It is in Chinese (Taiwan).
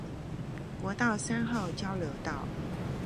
國道三號交流道